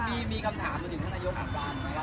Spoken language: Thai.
เดี๋ยวต้องดูทีแชมป์โลกอายุบนะครับ